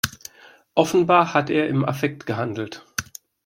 Offenbar hat er im Affekt gehandelt.